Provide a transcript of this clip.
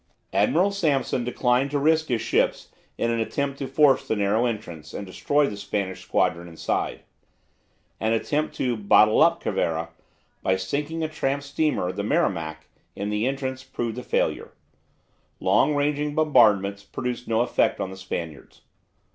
Admiral Sampson declined to risk his ships in an attempt to force the narrow entrance and destroy the Spanish squadron inside. An attempt to "bottle up" Cervera, by sinking a tramp steamer, the "Merrimac," in the entrance, proved a failure. Long ranging bombardments produced no effect on the Spaniards.